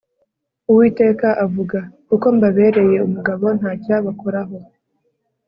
Uwiteka avuga Kuko mbabereye umugabo ntacyabakoraho